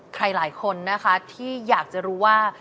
ใครหลายคนนะคะที่อยากจะรู้ว่า